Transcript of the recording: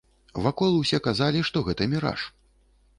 Вакол усе казалі, што гэта міраж.